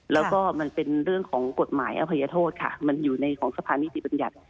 แล้วก็มันเป็นเรื่องของกฎหมายอภัยโทษค่ะมันอยู่ในของสะพานนิติบัญญัติ